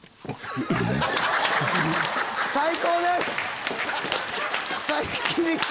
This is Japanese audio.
最高です！